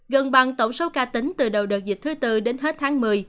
gần bằng tổng số ca tính từ đầu đợt dịch thứ tư đến hết tháng một mươi